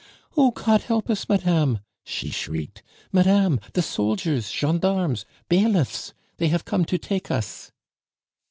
"Oh, God help us, madame!" she shrieked. "Madame! the soldiers gendarmes bailiffs! They have come to take us."